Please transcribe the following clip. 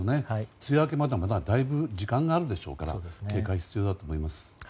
梅雨明けにはだいぶ、時間があるでしょうから警戒、必要だと思います。